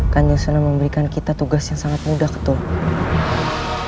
kan yosana memberikan kita tugas yang sangat mudah ketua